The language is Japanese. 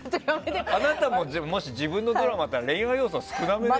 あなたももし自分のドラマあったら恋愛要素、少なめでしょ？